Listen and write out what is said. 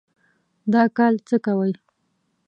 دا کال څه کوئ؟